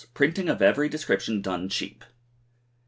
Printing of every description done cheap.